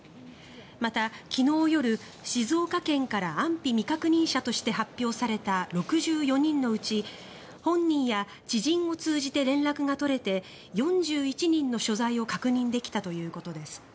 また、昨日夜、静岡県から安否未確認者として発表された６４人のうち本人や知人を通じて連絡が取れて４１人の所在を確認できたということです。